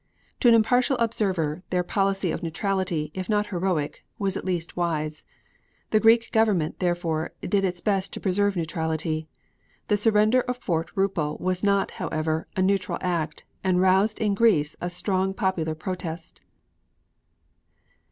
To an impartial observer their policy of neutrality, if not heroic, was at least wise. The Greek Government, therefore, did its best to preserve neutrality. The surrender of Fort Rupel was not, however, a neutral act and roused in Greece a strong popular protest.